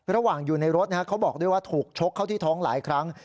อยู่ในรถเขาบอกด้วยว่าถูกชกเข้าที่ท้องหลายครั้ง